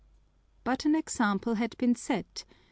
But an example had been set.